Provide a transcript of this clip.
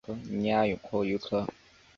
拟阿勇蛞蝓科。